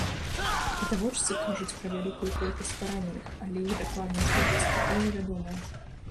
Відавочцы кажуць пра вялікую колькасць параненых, але іх дакладная колькасць пакуль невядомая.